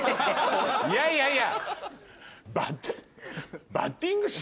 いやいやいや。